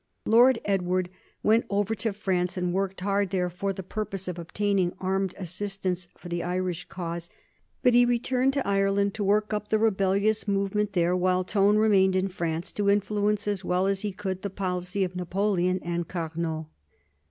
Lord Edward went over to France and worked hard there for the purpose of obtaining armed assistance for the Irish cause, but he returned to Ireland to work up the rebellious movement there while Tone remained in France to influence as well as he could the policy of Napoleon and Carnot.